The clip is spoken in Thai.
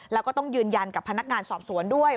แล้วก็ต้องยืนยันกับพนักงานสอบสวนด้วย